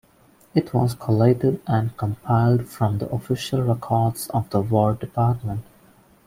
It was collated and compiled from the Official Records of the War Department.